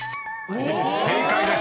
［正解です］